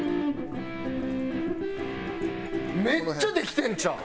めっちゃできてるんちゃう？